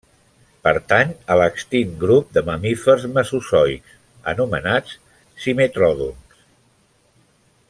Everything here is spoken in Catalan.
Pertany a l'extint grup de mamífers mesozoics anomenats simetrodonts.